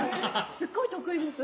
すっごい得意です